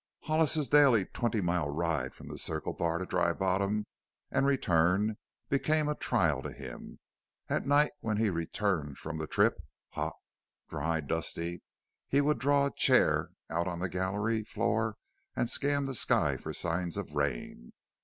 Hollis's daily twenty mile ride from the Circle Bar to Dry Bottom and return became a trial to him. At night, when he returned from the trip, hot, dry, dusty, he would draw a chair out on the gallery floor and scan the sky for signs of rain.